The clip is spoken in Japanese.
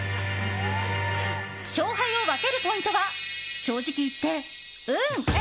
勝敗を分けるポイントは正直言って、運。